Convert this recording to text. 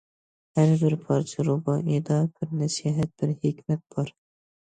ھەر بىر پارچە رۇبائىيدا بىر نەسىھەت، بىر ھېكمەت بار.